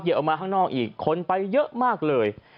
ออกมาข้างนอกอีกคนไปเยอะมากเลย